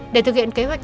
để thực hiện kế hoạch